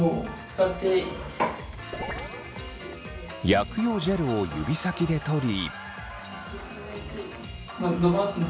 薬用ジェルを指先で取り。